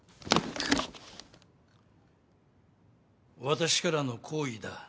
私からの好意だ。